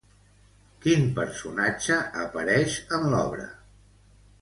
Quin personatge apareix en l'obra?